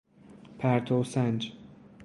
پرتو سنج